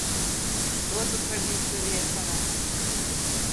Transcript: І што тут рабіць да вечара?